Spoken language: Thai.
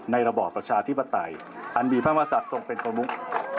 ในระบอบประชาธิบดัติอันบีภามาสัตว์ทรงเป็นคนมุ่ง